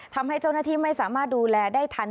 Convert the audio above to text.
ทำให้เจ้าหน้าที่ไม่สามารถดูแลได้ทัน